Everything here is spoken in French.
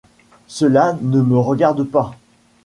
Cela ne me regarde pas.